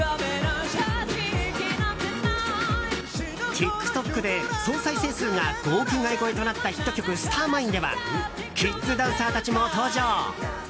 ＴｉｋＴｏｋで総再生数が５億回超えとなったヒット曲「スターマイン」ではキッズダンサーたちも登場！